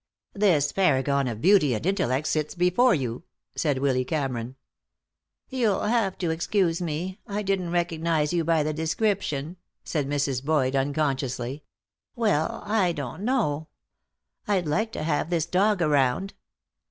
"This paragon of beauty and intellect sits before you," said Willy Cameron. "You'll have to excuse me. I didn't recognize you by the description," said Mrs. Boyd, unconsciously. "Well, I don't know. I'd like to have this dog around."